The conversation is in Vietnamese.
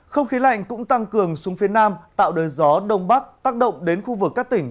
không khí lạnh cũng tăng cường xuống phía nam tạo đời gió đông bắc tác động đến khu vực các tỉnh